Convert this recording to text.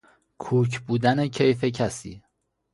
کوک بودن کیف کسی